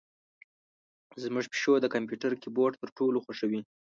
زمونږ پیشو د کمپیوتر کیبورډ تر ټولو خوښوي.